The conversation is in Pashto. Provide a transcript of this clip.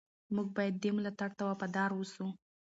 موږ باید دې ملاتړ ته وفادار اوسو.